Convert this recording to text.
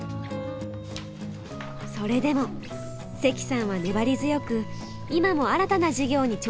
それでも関さんは粘り強く今も新たな事業に挑戦し続けています。